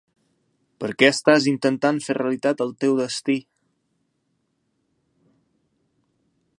Perquè estàs intentant fer realitat el teu destí.